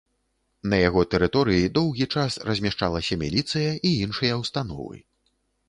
На яго тэрыторыі доўгі час размяшчалася міліцыя і іншыя ўстановы.